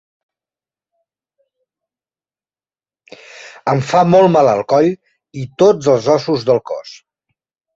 Em fa molt mal el coll i tots els ossos del cos.